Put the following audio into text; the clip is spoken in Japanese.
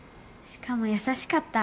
しかも優しかった。